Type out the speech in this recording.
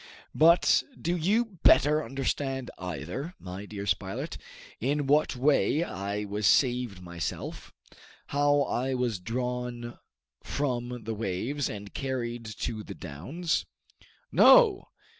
But do you better understand either, my dear Spilett, in what way I was saved myself how I was drawn from the waves, and carried to the downs? No!